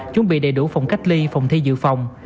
chuẩn bị đầy đủ phòng cách ly phòng thi dự phòng